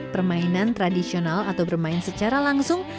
permainan tradisional atau bermain secara langsung